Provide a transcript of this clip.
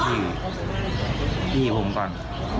พี่ผมก่อน